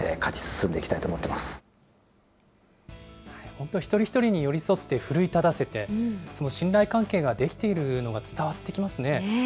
本当、一人一人に寄り添って、奮い立たせて、その信頼関係ができているのが伝わってきますね。